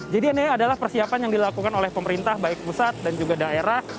jadi ini adalah persiapan yang dilakukan oleh pemerintah baik pusat dan juga daerah